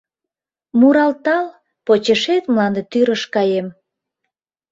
Муралтал, почешет мланде тӱрыш каем.